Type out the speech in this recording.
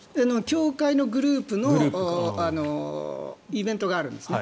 教会のグループのイベントがあるんですね。